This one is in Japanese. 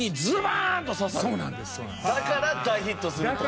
だから大ヒットする。